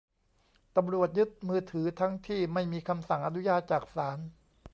ตำรวจยึดมือถือทั้งที่ไม่มีคำสั่งอนุญาตจากศาล